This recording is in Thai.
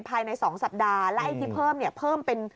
ภายใน๒สัปดาห์และไอ้ที่เพิ่มเนี่ยเพิ่มเป็น